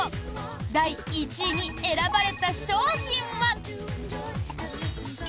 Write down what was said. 第１位に選ばれた商品は。